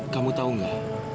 kamu tahu nga